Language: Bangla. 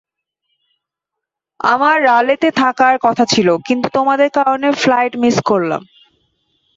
আমার রালেতে থাকার কথা ছিল, কিন্তু তোমাদের কারণে ফ্লাইট মিস করলাম।